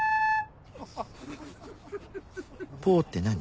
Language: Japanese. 「ポ」って何？